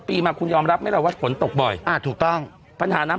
ปีมาคุณยอมรับไหมล่ะว่าฝนตกบ่อยอ่าถูกต้องปัญหาน้ำ